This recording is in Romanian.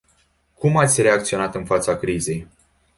Cum ați reacționat în fața crizei?